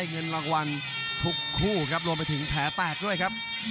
เงินรางวัลทุกคู่ครับรวมไปถึงแผลแตกด้วยครับ